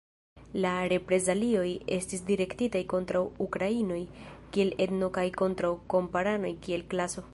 La reprezalioj estis direktitaj kontraŭ ukrainoj kiel etno kaj kontraŭ kamparanoj kiel klaso.